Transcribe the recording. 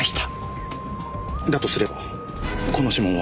だとすればこの指紋は。